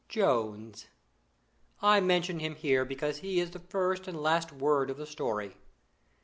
Jones! I mention him here because he is the first and last word of the story.